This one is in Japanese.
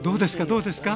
どうですか？